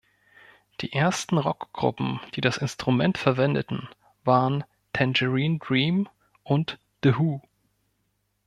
Die ersten Rockgruppen, die das Instrument verwendeten, waren Tangerine Dream und The Who.